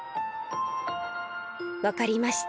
わかりました。